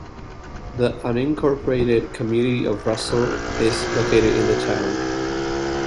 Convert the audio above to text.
The unincorporated community of Russell is located in the town.